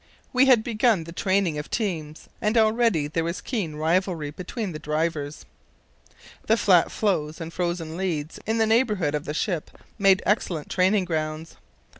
We had begun the training of teams, and already there was keen rivalry between the drivers. The flat floes and frozen leads in the neighbourhood of the ship made excellent training grounds.